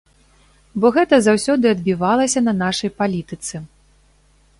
Бо гэта заўсёды адбівалася на нашай палітыцы.